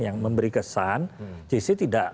yang memberi kesan jc tidak